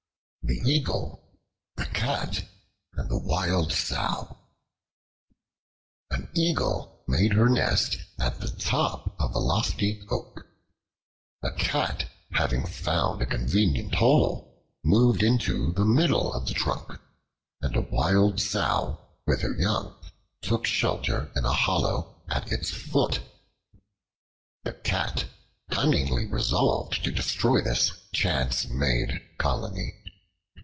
The Eagle, the Cat, and the Wild Sow AN EAGLE made her nest at the top of a lofty oak; a Cat, having found a convenient hole, moved into the middle of the trunk; and a Wild Sow, with her young, took shelter in a hollow at its foot. The Cat cunningly resolved to destroy this chance made colony.